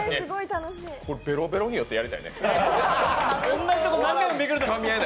これ、ベロベロに酔ってやりたいね。